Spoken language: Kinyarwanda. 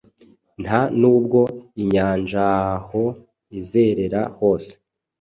Nta nubwo inyanjaaho izerera hose